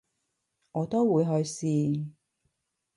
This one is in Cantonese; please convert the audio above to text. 我都會去試